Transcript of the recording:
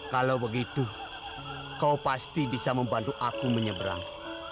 kalau begitu kau pasti bisa membantu aku menyeberang